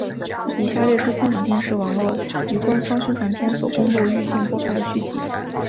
以下列出香港电视网络于官方宣传片所公布预定播放的剧集。